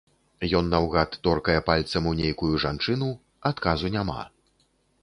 Ён наўгад торкае пальцам у нейкую жанчыну, адказу няма.